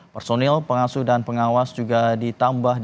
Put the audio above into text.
personil pengasuh dan pengawas juga ditambah